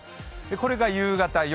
これが夕方、夜。